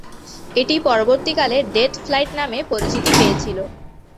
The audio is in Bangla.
এটি পরবর্তীকালে ডেথ ফ্লাইট নামে পরিচিতি পেয়েছিল।